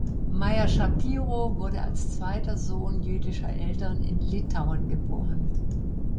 Meyer Schapiro wurde als zweiter Sohn jüdischer Eltern in Litauen geboren.